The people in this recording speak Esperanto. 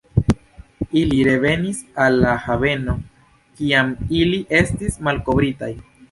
Ili revenis al la haveno kiam ili estis malkovritaj.